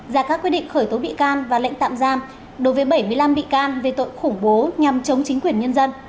ra các quyết định khởi tố bị can và lệnh tạm giam đối với bảy mươi năm bị can về tội khủng bố nhằm chống chính quyền nhân dân